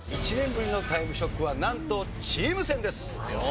１年ぶりの『タイムショック』はなんとチーム戦です。